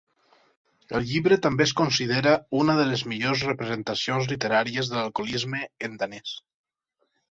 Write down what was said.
El llibre també es considera una de les millors representacions literàries de l'alcoholisme en danès.